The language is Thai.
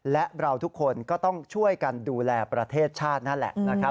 และเราทุกคนก็ต้องช่วยกันดูแลประเทศชาตินั่นแหละนะครับ